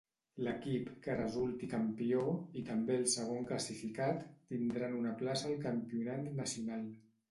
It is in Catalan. L'equip que resulti campió, i també el segon classificat, tindran una plaça al Campionat Nacional.